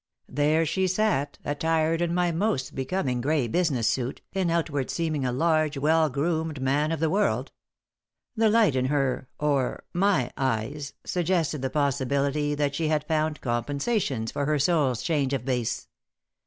There she sat, attired in my most becoming gray business suit, in outward seeming a large, well groomed man of the world. The light in her or my eyes suggested the possibility that she had found compensations for her soul's change of base.